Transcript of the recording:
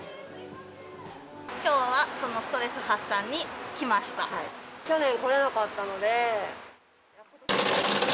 きょうはそのストレス発散に去年来れなかったので。